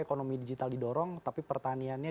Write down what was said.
ekonomi digital didorong tapi pertaniannya